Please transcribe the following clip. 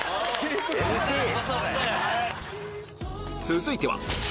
続いては！